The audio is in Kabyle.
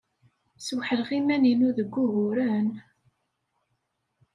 Sweḥleɣ iman-inu deg wuguren?